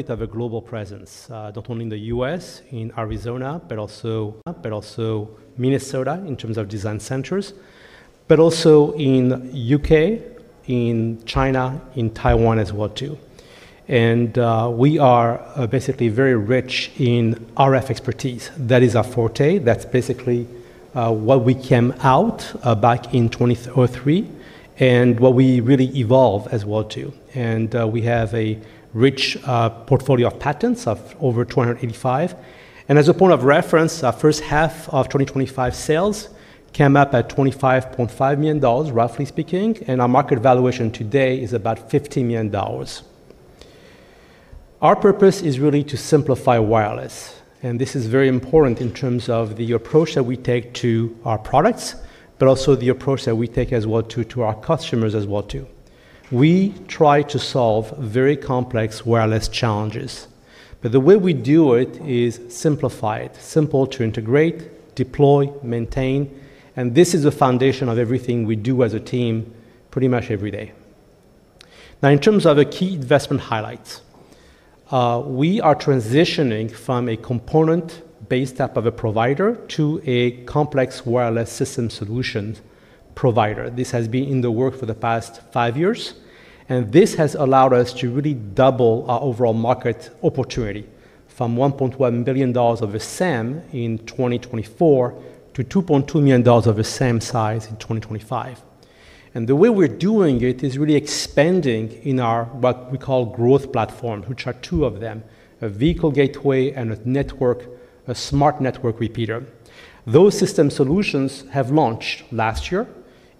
We have a global presence, not only in the U.S., in Arizona, but also Minnesota in terms of design centers, and also in the U.K., in China, in Taiwan as well too. We are basically very rich in RF expertise. That is our forte. That's basically what we came out back in 2003 and what we really evolved as well too. We have a rich portfolio of patents of over 285. As a point of reference, our first half of 2025 sales came up at $25.5 million, roughly speaking, and our market valuation today is about $50 million. Our purpose is really to simplify wireless. This is very important in terms of the approach that we take to our products, but also the approach that we take to our customers as well too. We try to solve very complex wireless challenges. The way we do it is simplified, simple to integrate, deploy, maintain. This is the foundation of everything we do as a team pretty much every day. Now, in terms of key investment highlights, we are transitioning from a component-based type of a provider to a complex wireless system solution provider. This has been in the works for the past five years. This has allowed us to really double our overall market opportunity from $1.1 million of a SAM in 2024 to $2.2 million of a SAM size in 2025. The way we're doing it is really expanding in our what we call growth platforms, which are two of them: a vehicle gateway and a smart network repeater. Those system solutions have launched last year.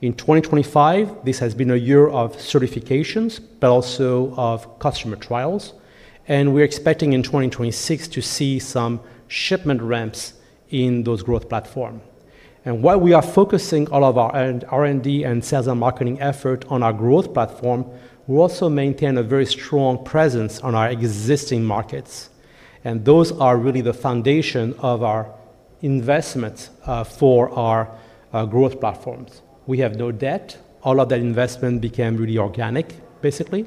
In 2025, this has been a year of certifications, but also of customer trials. We're expecting in 2026 to see some shipment ramps in those growth platforms. While we are focusing all of our R&D and sales and marketing efforts on our growth platform, we also maintain a very strong presence on our existing markets. Those are really the foundation of our investments for our growth platforms. We have no debt. All of that investment became really organic, basically.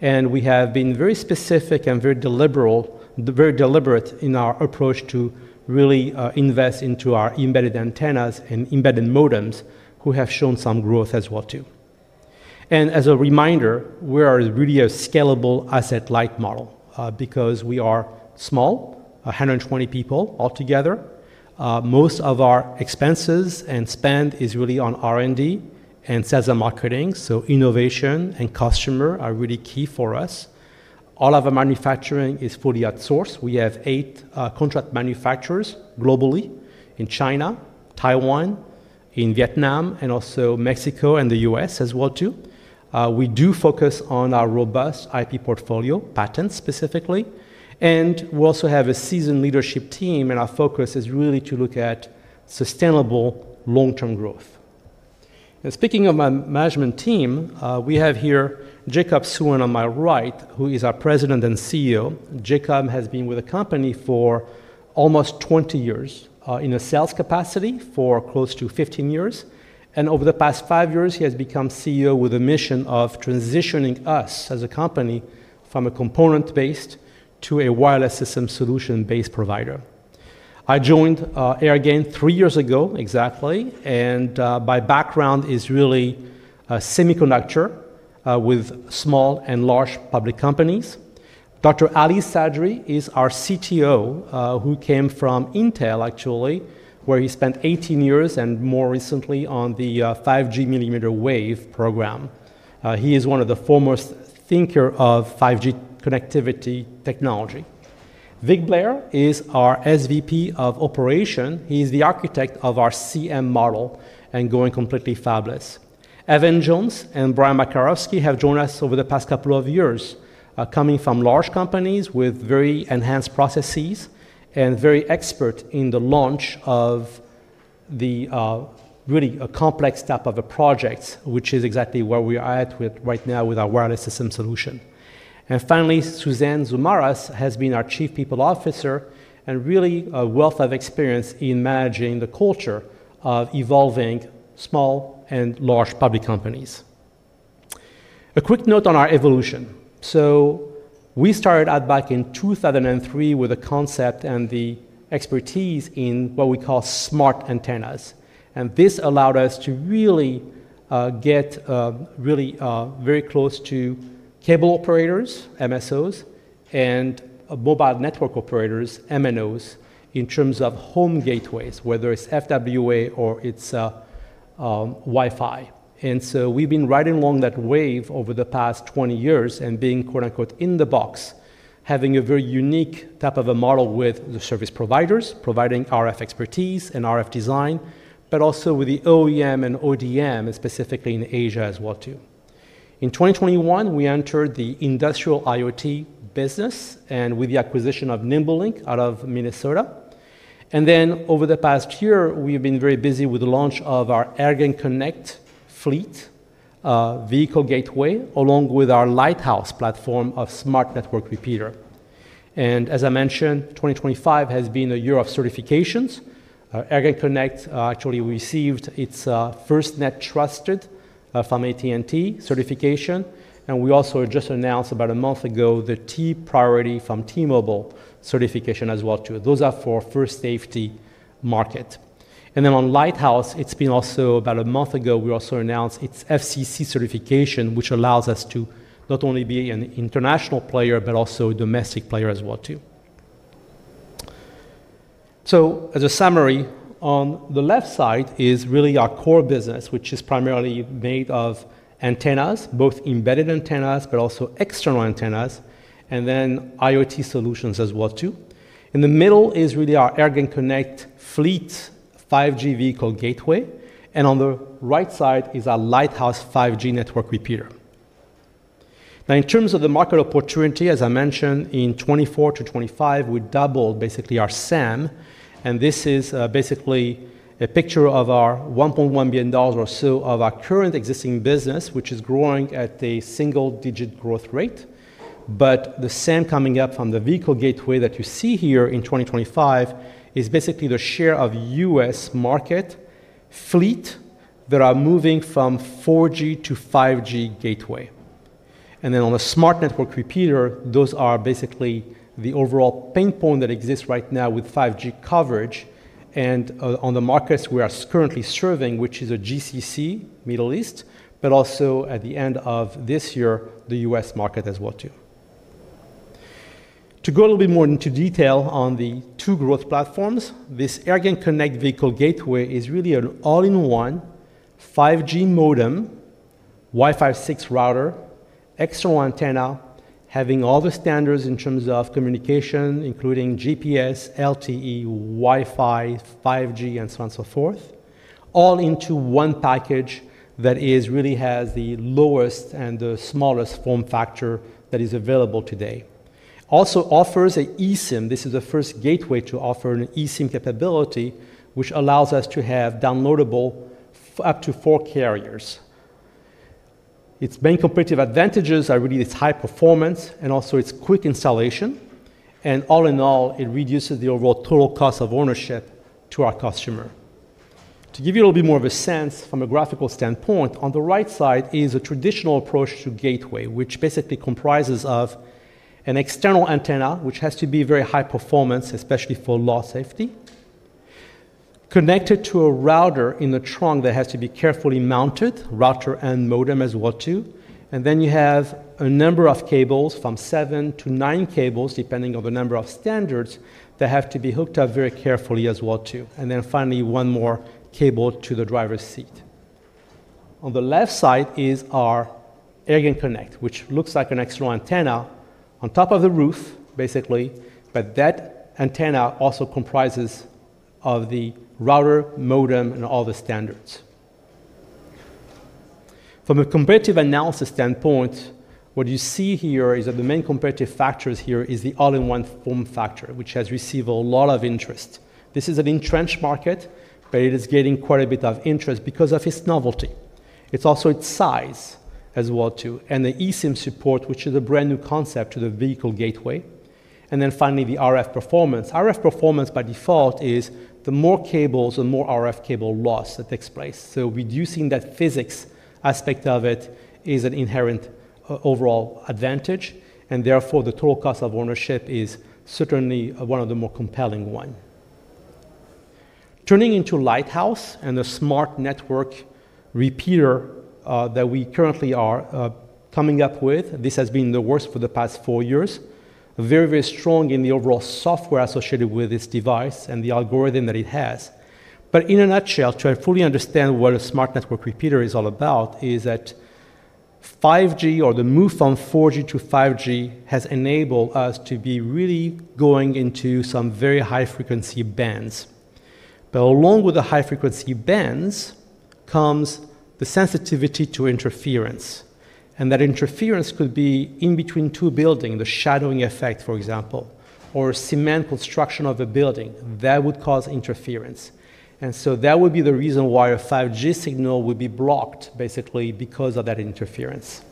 We have been very specific and very deliberate in our approach to really invest into our embedded antennas and embedded modems who have shown some growth as well too. As a reminder, we are really a scalable asset-light model because we are small, 120 people altogether. Most of our expenses and spend is really on R&D and sales and marketing. Innovation and customer are really key for us. All of our manufacturing is fully outsourced. We have eight contract manufacturers globally in China, Taiwan, in Vietnam, and also Mexico and the U.S. as well too. We do focus on our robust IP portfolio, patents specifically. We also have a seasoned leadership team, and our focus is really to look at sustainable long-term growth. Speaking of my management team, we have here Jacob Suen on my right, who is our President and CEO. Jacob has been with the company for almost 20 years in a sales capacity for close to 15 years. Over the past five years, he has become CEO with a mission of transitioning us as a company from a component-based to a wireless system solution-based provider. I joined Airgain three years ago exactly. My background is really a semiconductor with small and large public companies. Dr. Ali Sadri is our CTO who came from Intel, actually, where he spent 18 years and more recently on the 5G millimeter wave program. He is one of the foremost thinkers of 5G connectivity technology. Vic Blair is our SVP of Operations. He's the architect of our CM model and going completely fabless. Evan Jones and Brian Makarowski have joined us over the past couple of years, coming from large companies with very enhanced processes and very expert in the launch of really a complex type of a project, which is exactly where we are at right now with our wireless system solution. Finally, Suzanne Zoumaras has been our Chief People Officer and really a wealth of experience in managing the culture of evolving small and large public companies. A quick note on our evolution. We started out back in 2003 with a concept and the expertise in what we call smart antennas. This allowed us to really get very close to cable operators, MSOs, and Mobile Network Operators, MNOs, in terms of home gateways, whether it's FWA or it's Wi-Fi. We've been riding along that wave over the past 20 years and being "in the box." Having a very unique type of a model with the service providers providing RF expertise and RF design, but also with the OEM and ODM, specifically in Asia as well too. In 2021, we entered the industrial IoT business with the acquisition of NimbeLink out of Minnesota. Over the past year, we've been very busy with the launch of our AirgainConnect Fleet Vehicle Gateway, along with our Lighthouse platform of Smart Network Repeater. As I mentioned, 2025 has been a year of certifications. AirgainConnect actually received its first Net Trusted from AT&T certification. We also just announced about a month ago the T Priority from T-Mobile certification as well too. Those are for first safety market. On Lighthouse, about a month ago we also announced its FCC certification, which allows us to not only be an international player, but also a domestic player as well too. As a summary, on the left side is really our core business, which is primarily made of antennas, both embedded antennas, but also external antennas, and then IoT solutions as well too. In the middle is really our AirgainConnect Fleet 5G Vehicle Gateway. On the right side is our Lighthouse 5G Network Repeater. Now, in terms of the market opportunity, as I mentioned, in 2024 to 2025, we doubled basically our SAM. This is basically a picture of our $1.1 billion or so of our current existing business, which is growing at a single-digit growth rate. The SAM coming up from the vehicle gateway that you see here in 2025 is basically the share of U.S. market fleet that are moving from 4G to 5G gateway. On the smart network repeater, those are basically the overall pain point that exists right now with 5G coverage. On the markets we are currently serving, which is a GCC Middle East, but also at the end of this year, the U.S. market as well. To go a little bit more into detail on the two growth platforms, this AirgainConnect Vehicle Gateway is really an all-in-one 5G modem, Wi-Fi 6 router, external antenna, having all the standards in terms of communication, including GPS, LTE, Wi-Fi, 5G, and so on and so forth, all into one package that really has the lowest and the smallest form factor that is available today. It also offers an eSIM. This is the first gateway to offer an eSIM capability, which allows us to have downloadable up to four carriers. Its main competitive advantages are really its high performance and also its quick installation. All in all, it reduces the overall total cost of ownership to our customer. To give you a little bit more of a sense from a graphical standpoint, on the right side is a traditional approach to gateway, which basically comprises an external antenna, which has to be very high performance, especially for low safety, connected to a router in the trunk that has to be carefully mounted, router and modem as well. You have a number of cables, from seven to nine cables, depending on the number of standards that have to be hooked up very carefully as well. Finally, one more cable to the driver's seat. On the left side is our AirgainConnect, which looks like an external antenna on top of the roof, basically, but that antenna also comprises of the router, modem, and all the standards. From a competitive analysis standpoint, what you see here is that the main competitive factors are the all-in-one form factor, which has received a lot of interest. This is an entrenched market, but it is getting quite a bit of interest because of its novelty. It's also its size as well, and the eSIM support, which is a brand new concept to the vehicle gateway. Finally, the RF performance. RF performance by default is the more cables, the more RF cable loss that takes place. Reducing that physics aspect of it is an inherent overall advantage. Therefore, the total cost of ownership is certainly one of the more compelling ones. Turning into Lighthouse and the smart network repeater that we currently are coming up with, this has been the work for the past four years. Very, very strong in the overall software associated with this device and the algorithm that it has. In a nutshell, to fully understand what a smart network repeater is all about, is that 5G or the move from 4G to 5G has enabled us to be really going into some very high-frequency bands. Along with the high-frequency bands comes the sensitivity to interference. That interference could be in between two buildings, the shadowing effect, for example, or cement construction of a building. That would cause interference. That would be the reason why a 5G signal would be blocked, basically, because of that interference.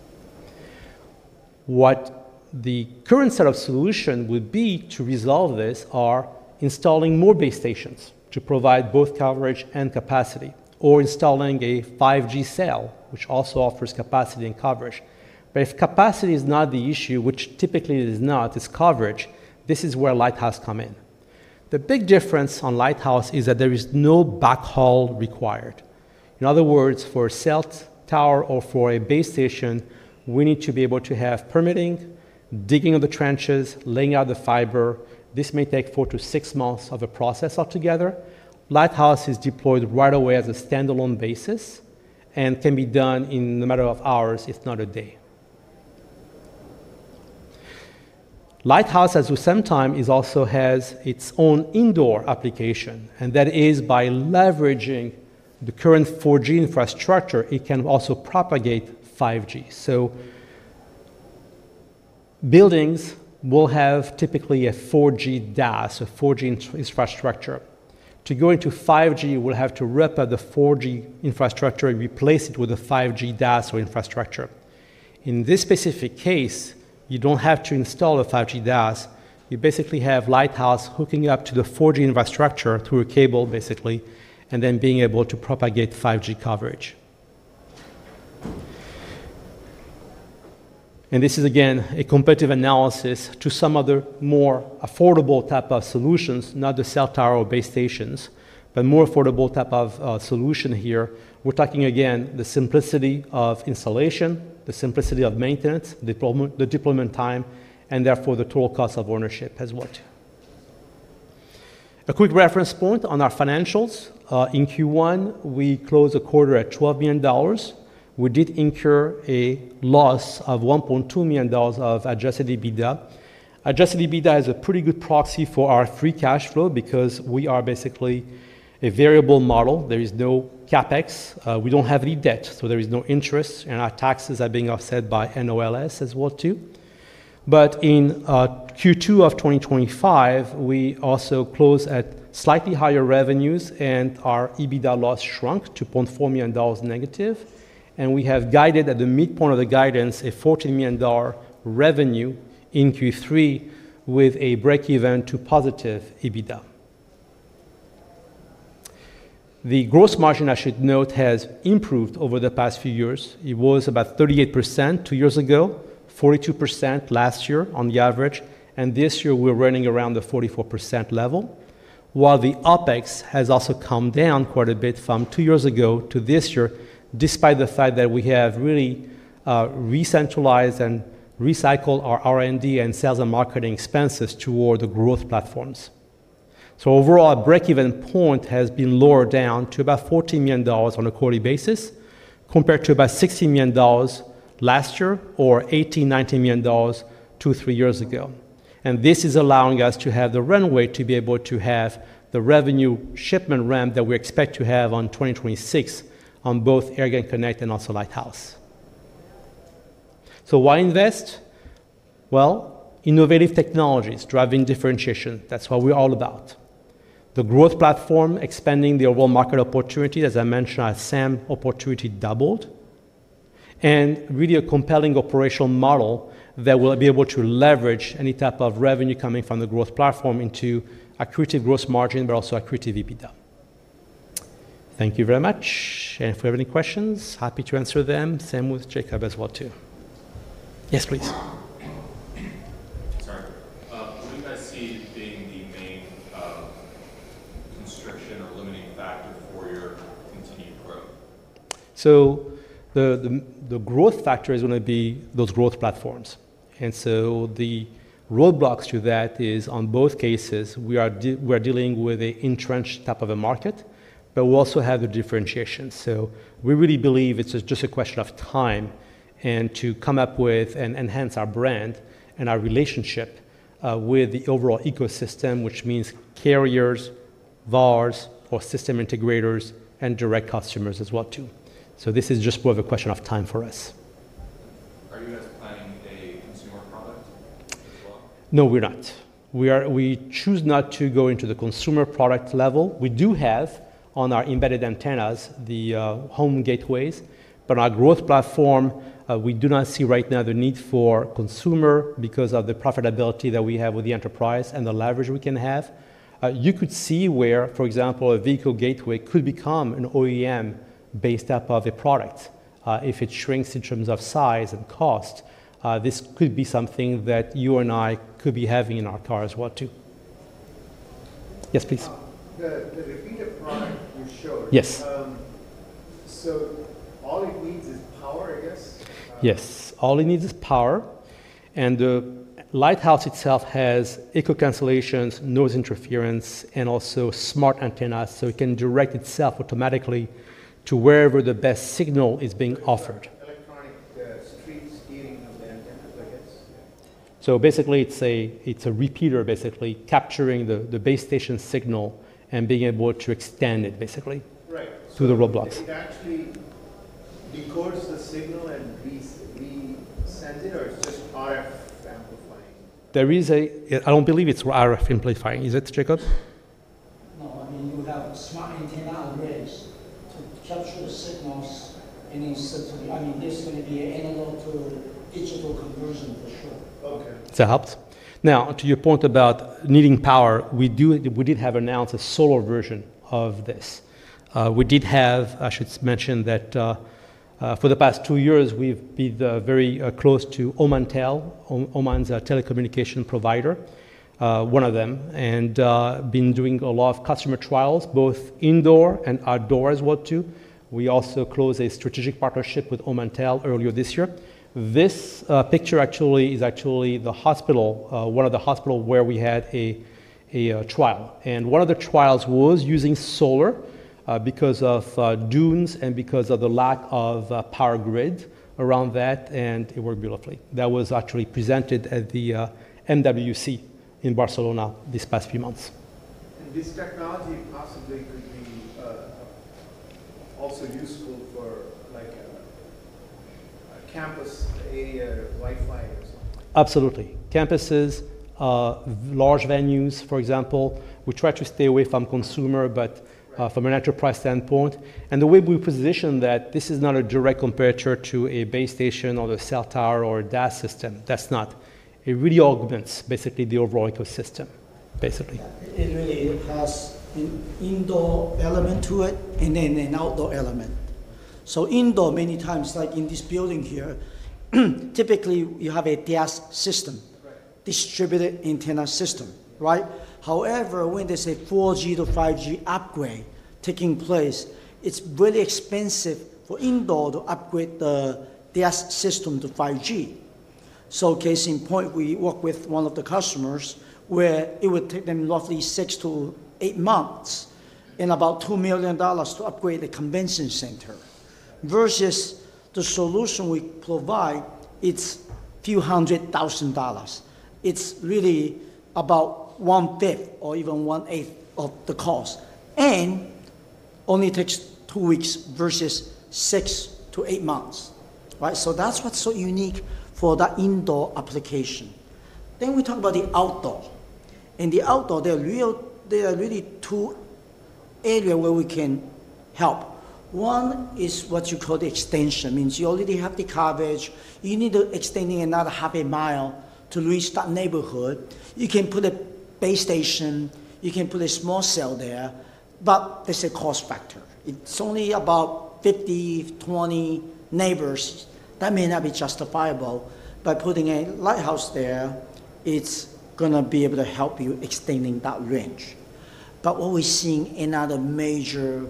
What the current set of solutions would be to resolve this are installing more base stations to provide both coverage and capacity, or installing a 5G cell, which also offers capacity and coverage. If capacity is not the issue, which typically it is not, it's coverage, this is where Lighthouse comes in. The big difference on Lighthouse is that there is no backhaul required. In other words, for a cell tower or for a base station, we need to be able to have permitting, digging of the trenches, laying out the fiber. This may take four to six months of a process altogether. Lighthouse is deployed right away as a standalone basis and can be done in a matter of hours, if not a day. Lighthouse, as with SEM Time, also has its own indoor application. By leveraging the current 4G infrastructure, it can also propagate 5G. Buildings will have typically a 4G DAS, a 4G infrastructure. To go into 5G, we'll have to rip up the 4G infrastructure and replace it with a 5G DAS or infrastructure. In this specific case, you don't have to install a 5G DAS. You basically have Lighthouse hooking up to the 4G infrastructure through a cable, basically, and then being able to propagate 5G coverage. This is, again, a competitive analysis to some of the more affordable type of solutions, not the cell tower or base stations, but more affordable type of solution here. We're talking, again, the simplicity of installation, the simplicity of maintenance, the deployment time, and therefore the total cost of ownership as well too. A quick reference point on our financials. In Q1, we closed a quarter at $12 million. We did incur a loss of $1.2 million of adjusted EBITDA. Adjusted EBITDA is a pretty good proxy for our free cash flow because we are basically a variable model. There is no CapEx. We don't have any debt, so there is no interest, and our taxes are being offset by NOLs as well too. In Q2 of 2025, we also closed at slightly higher revenues, and our EBITDA loss shrunk to $0.4 million negative. We have guided at the midpoint of the guidance a $14 million revenue in Q3 with a breakeven to positive EBITDA. The gross margin, I should note, has improved over the past few years. It was about 38% two years ago, 42% last year on the average, and this year, we're running around the 44% level. While the OpEx has also come down quite a bit from two years ago to this year, despite the fact that we have really recentralized and recycled our R&D and sales and marketing expenses toward the growth platforms. Overall, our breakeven point has been lowered down to about $14 million on a quarterly basis compared to about $60 million last year or $80 million, $90 million two to three years ago. This is allowing us to have the runway to be able to have the revenue shipment ramp that we expect to have on 2026 on both AirgainConnect and also Lighthouse. Why invest? Innovative technologies driving differentiation. That's what we're all about. The growth platform expanding the overall market opportunities, as I mentioned, our SAM opportunity doubled. It is really a compelling operational model that will be able to leverage any type of revenue coming from the growth platform into accretive gross margin, but also accretive EBITDA. Thank you very much. If you have any questions, happy to answer them. Same with Jacob as well too. Yes, please. Sorry. What do you guys see as being the main constriction or limiting factor for your continued growth? The growth factor is going to be those growth platforms. The roadblocks to that are, in both cases, we are dealing with an entrenched type of a market, but we also have the differentiation. We really believe it's just a question of time to come up with and enhance our brand and our relationship with the overall ecosystem, which means carriers, VARs, system integrators, and direct customers as well. This is just more of a question of time for us. Are you guys planning a consumer product as well? No, we're not. We choose not to go into the consumer product level. We do have on our embedded antennas the home gateways, but our growth platform, we do not see right now the need for consumer because of the profitability that we have with the enterprise and the leverage we can have. You could see where, for example, a vehicle gateway could become an OEM-based type of a product if it shrinks in terms of size and cost. This could be something that you and I could be having in our car as well too. Yes, please. The repeater product you showed. Yes. All it needs is power, I guess? Yes. All it needs is power. The Lighthouse itself has echo cancellation, noise interference, and also smart antennas. It can direct itself automatically to wherever the best signal is being offered. Electronic street steering of the antennas, I guess? It's a repeater, basically capturing the base station signal and being able to extend it, basically, to the roadblocks. Right. It actually decodes the signal and resends it, or it's just RF amplifying? I don't believe it's RF amplifying. Is it, Jacob? No, I mean, you have a smart antenna array to capture the signals and insert it. I mean, this is going to be an analog-to-digital conversion for sure. Okay. That helps. Now, to your point about needing power, we did have announced a solar version of this. I should mention that for the past two years, we've been very close to Omantel, Oman's telecommunication provider, one of them, and been doing a lot of customer trials both indoor and outdoor as well too. We also closed a strategic partnership with Omantel earlier this year. This picture actually is the hospital, one of the hospitals where we had a trial. One of the trials was using solar because of dunes and because of the lack of power grids around that, and it worked beautifully. That was actually presented at the MWC in Barcelona this past few months. This technology possibly could be also useful for a campus area Wi-Fi or something. Absolutely. Campuses, large venues, for example, we try to stay away from consumer, but from an enterprise standpoint, the way we position that, this is not a direct comparator to a base station or the cell tower or a DAS system. It's not. It really augments basically the overall ecosystem, basically. It really has an indoor element to it and then an outdoor element. Indoor, many times, like in this building here, typically you have a DAS system, Distributed Antenna System, right? However, when there's a 4G to 5G upgrade taking place, it's really expensive for indoor to upgrade the DAS system to 5G. Case in point, we work with one of the customers where it would take them roughly six to eight months and about $2 million to upgrade the convention center. Versus the solution we provide, it's a few hundred thousand dollars. It's really about one-fifth or even one-eighth of the cost and only takes two weeks versus six to eight months, right? That's what's so unique for the indoor application. When we talk about the outdoor, there are really two areas where we can help. One is what you call the extension. It means you already have the coverage. You need to extend another half a mile to reach that neighborhood. You can put a base station. You can put a small cell there, but there's a cost factor. It's only about 50, 20 neighbors. That may not be justifiable. By putting a Lighthouse there, it's going to be able to help you extending that range. What we're seeing in another major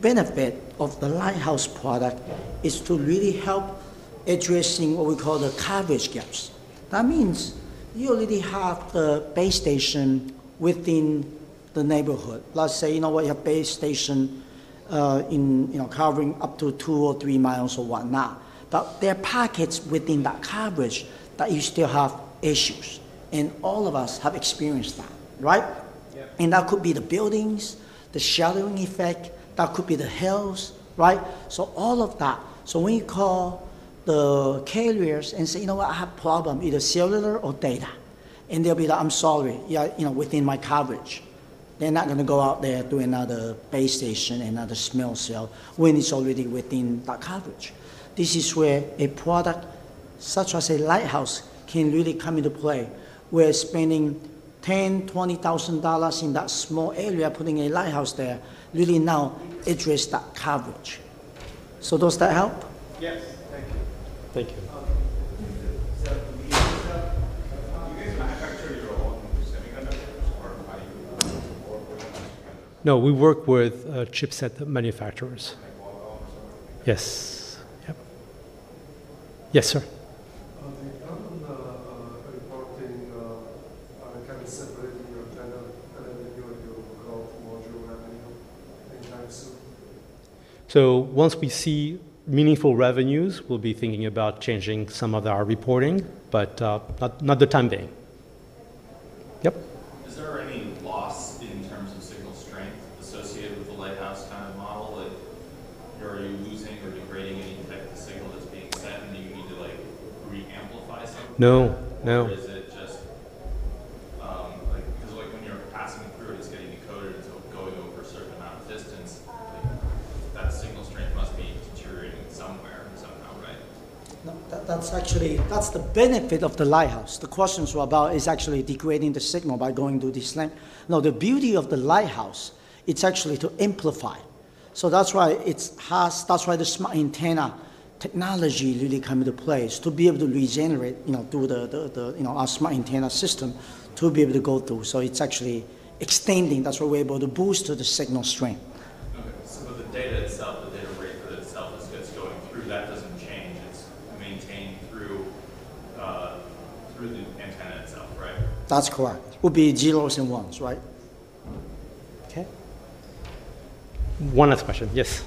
benefit of the Lighthouse product is to really help addressing what we call the coverage gaps. That means you already have the base station within the neighborhood. Let's say, you know what, you have a base station covering up to two or three miles or whatnot, but there are pockets within that coverage that you still have issues. All of us have experienced that, right? That could be the buildings, the shadowing effect. That could be the hills, right? All of that. When you call the carriers and say, "You know what, I have a problem, either cellular or data." They'll be like, "I'm sorry." You know, within my coverage. They're not going to go out there to another base station, another small cell when it's already within that coverage. This is where a product such as a Lighthouse can really come into play. We're spending $10,000, $20,000 in that small area, putting a Lighthouse there, really now address that coverage. Does that help? Yes, thank you. Thank you. Do you guys manufacture your own semiconductors or buy your own or work with other semiconductors? No, we work with chipset manufacturers. Like Omantel or something? Yes, yep. Yes, sir. How does the reporting kind of separate the antenna revenue and your growth module revenue anytime soon? Once we see meaningful revenues, we'll be thinking about changing some of our reporting, but not at the time being. Yep. Is there any loss in terms of signal strength associated with the Lighthouse kind of model? Like, are you losing or degrading any type of signal that's being sent, and then you need to reamplify some of that? No, no. Or is it just because when you're passing it through, it's getting decoded, and going over a certain amount of distance, that signal strength must be deteriorating somewhere somehow, right? No, that's actually the benefit of the Lighthouse. The questions were about is actually degrading the signal by going through this length. No, the beauty of the Lighthouse, it's actually to amplify. That's why it has, that's why the smart antenna technology really comes into play, is to be able to regenerate through our smart antenna system to be able to go through. It's actually extending. That's why we're able to boost the signal strength. Okay. The data rate for itself that's going through, that doesn't change. It's maintained through the antenna itself, right? That's correct. It would be zeros and ones, right? Okay. One last question. Yes.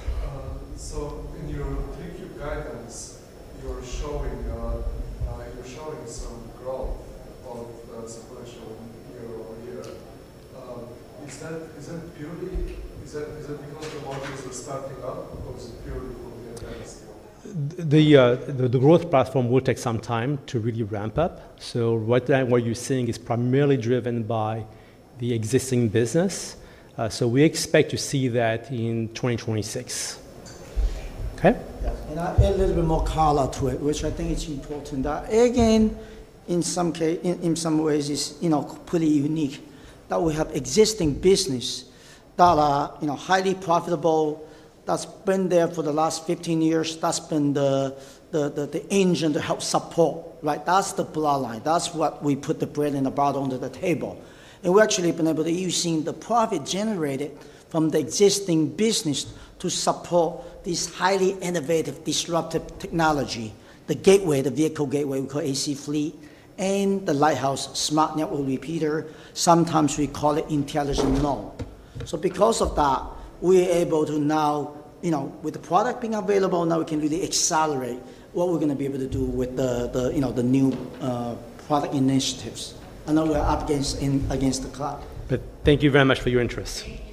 In your future guidance, you're showing some growth of the supply chain year-over-year. Is that purely because the modules are starting up, or is it purely for the antenna still? The growth platform will take some time to really ramp up. What you're seeing is primarily driven by the existing business. We expect to see that in 2026. Okay. I add a little bit more color to it, which I think is important. Airgain, in some ways, is pretty unique that we have existing business that are highly profitable, that's been there for the last 15 years, that's been the engine to help support. That's the bloodline. That's what we put the bread and the butter under the table. We've actually been able to use the profit generated from the existing business to support this highly innovative, disruptive technology, the gateway, the vehicle gateway we call AC-Fleet, and the Lighthouse Smart Network Repeater, sometimes we call it intelligent node. Because of that, with the product being available now we can really accelerate what we're going to be able to do with the new product initiatives. I know we're up against the cloud. Thank you very much for your interest. Thank you Sbahi.